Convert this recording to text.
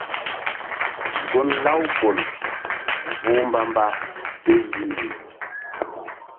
Gun Laouɓol vuh mbamba ke yih.